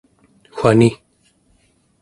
wani